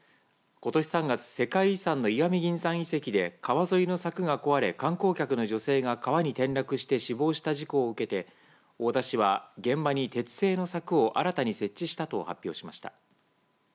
ことし３月世界遺産の石見銀山遺跡で川沿いのさくが壊れ観光客の女性が川に転落して死亡した事故を受けて大田市は現場に鉄製の柵を新たに設置したと発表しました。